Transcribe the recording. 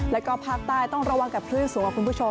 แล้วก็ภาคใต้ต้องระวังกับคลื่นสูงกับคุณผู้ชม